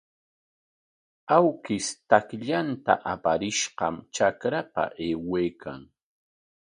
Awkish takllanta aparishqam trakrapa aywaykan.